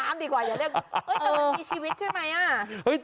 ก็ยังไม่มีชีวิตใช่ไหม